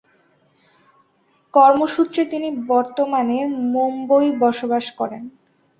কর্মসূত্রে তিনি বর্তমানে মুম্বই বসবাস করেন।